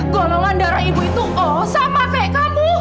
golongan darah ibu itu oh sama kayak kamu